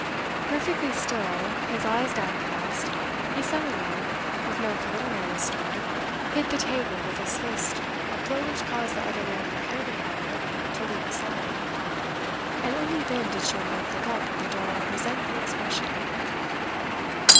Perfectly still, his eyes downcast, he suddenly, with no preliminary stir, hit the table with his fist a blow which caused the utterly unprepared Ricardo to leap aside. And only then did Schomberg look up with a dull, resentful expression.